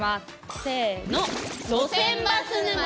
せの！